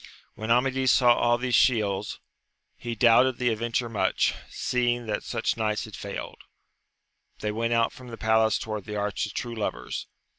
When Amadis saw all these shields, VOL. I. 17 258 AMADIS OF GAUL. he doubted the adventure much, seeing that sach knights had failed. They went out from the palace towards the Arch of True Lovers.